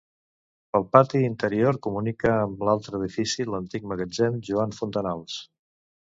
Pel pati interior comunica amb l'altre edifici, l'antic Magatzem Joan Fontanals.